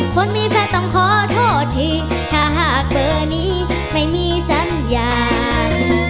คนมีแฟนต้องขอโทษทีถ้าหากเบอร์นี้ไม่มีสัญญาณ